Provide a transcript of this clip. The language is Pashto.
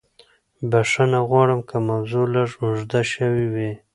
بښنه غواړم که موضوع لږه اوږده شوې وي.